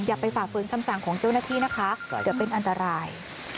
อย่าไปฝ่าฝืนคำสั่งของเจ้าหน้าที่นะคะเดี๋ยวเป็นอันตราย